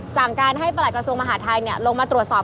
สั่งการให้ประหลักกระทรวงมหาทัยลงมาตรวจสอบ